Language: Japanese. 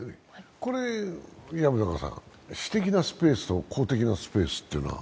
薮中さん、私的なスペースと公的なスペースというのは。